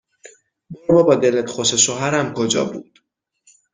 برو بابا دلت خوشه شوهرم کجا بود